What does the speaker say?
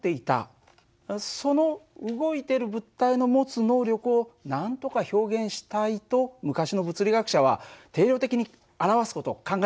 その動いてる物体の持つ能力をなんとか表現したいと昔の物理学者は定量的に表す事を考えたんだよ。